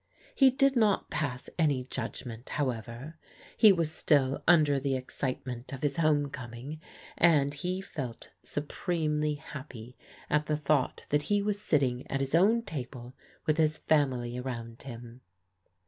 He did not pass any judgment, however. He was still under the excitement of his home coming, and he felt supremely happy at the thought that he was sitting at his own table with his family arotmd him.